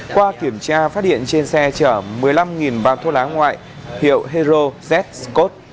qua kiểm tra phát hiện trên xe chở một mươi năm bàn thuốc lá ngoại hiệu hero z scott